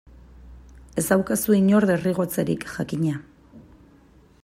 Ez daukazu inor derrigortzerik, jakina.